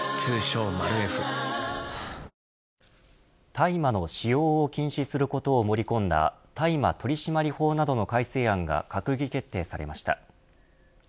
大麻の使用を禁止することを盛り込んだ大麻取締法などの改正案が閣議決定されました。